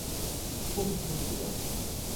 ผู้มีชื่อเสียง